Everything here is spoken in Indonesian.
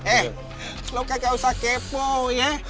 eh kok engga usah kepo ya